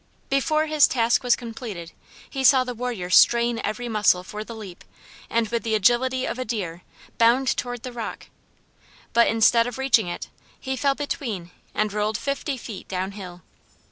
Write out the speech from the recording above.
Before his task was completed he saw the warrior strain every muscle for the leap, and, with the agility of a deer, bound towards the rock; but instead of reaching it, he fell between and rolled fifty feet down hill.